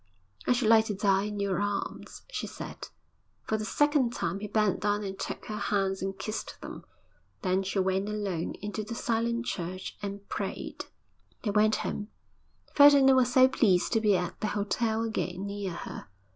'I should like to die in your arms,' she said. For the second time he bent down and took her hands and kissed them. Then she went alone into the silent church, and prayed. VII They went home. Ferdinand was so pleased to be at the hotel again, near her.